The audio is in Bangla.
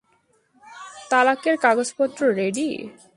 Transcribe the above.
তালাকের কাগজপত্র রেডি।